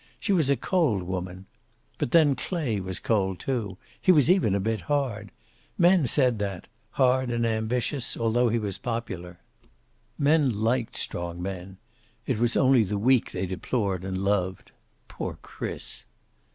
She was a cold woman. But, then, Clay was cold, too. He was even a bit hard. Men said that; hard and ambitious, although he was popular. Men liked strong men. It was only the weak they deplored and loved. Poor Chris!